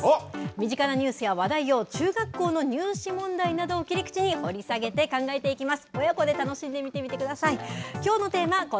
身近なニュースや話題を中学校の入試問題などを切り口に掘り下げて考えていきます。